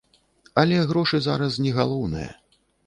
Але грошы зараз не галоўнае.